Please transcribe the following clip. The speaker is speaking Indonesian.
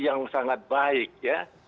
yang sangat baik ya